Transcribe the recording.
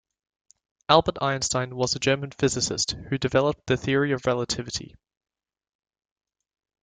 Albert Einstein was a German physicist who developed the Theory of Relativity.